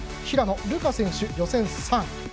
平野流佳選手、予選３位。